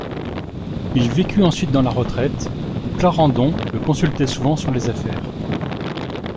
Il vécut ensuite dans la retraite, où Clarendon le consultait souvent sur les affaires.